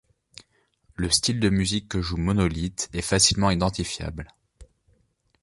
Le style de musique que joue Monolithe est facilement identifiable.